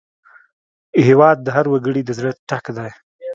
هېواد د هر وګړي د زړه ټک دی.